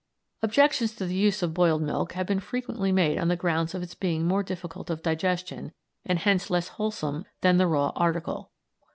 Objections to the use of boiled milk have been frequently made on the grounds of its being more difficult of digestion, and hence less wholesome than the raw article.